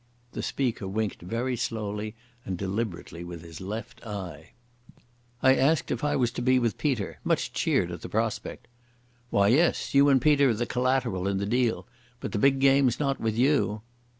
The speaker winked very slowly and deliberately with his left eye. I asked if I was to be with Peter, much cheered at the prospect. "Why, yes. You and Peter are the collateral in the deal. But the big game's not with you."